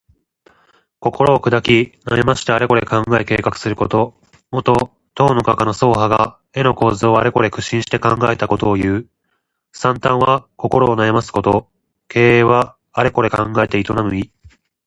心をくだき、悩ましてあれこれ考え計画すること。もと、唐の画家の曹覇が絵の構図をあれこれ苦心して考えたことをいう。「惨憺」は心を悩ますこと。「経営」はあれこれ考えて営む意。